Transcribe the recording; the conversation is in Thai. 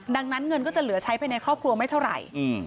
ดังนั้นเงินก็จะเหลือใช้ภายในครอบครัวไม่เท่าไหร่